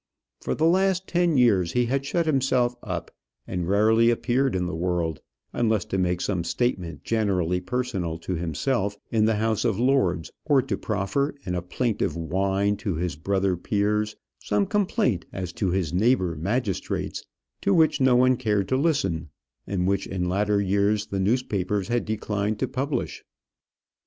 For the last ten years he had shut himself up, and rarely appeared in the world, unless to make some statement, generally personal to himself, in the House of Lords, or to proffer, in a plaintive whine to his brother peers, some complaint as to his neighbour magistrates, to which no one cared to listen, and which in latter years the newspapers had declined to publish.